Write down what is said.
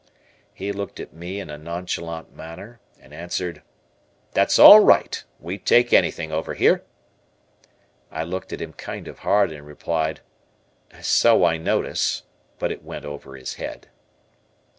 He looked at me in a nonchalant manner, and answered, "That's all right, we take anything over here." I looked at him kind of hard and replied, "So I notice," but it went over his head.